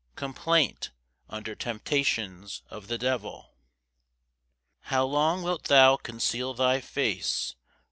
Complaint under temptations of the devil. 1 How long wilt thou conceal thy face?